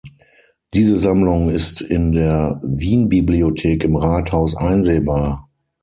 Diese Sammlung ist in der Wienbibliothek im Rathaus einsehbar.